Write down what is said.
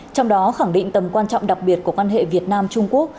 trong đó khẳng định tầm quan trọng đặc biệt của quan hệ việt nam trung quốc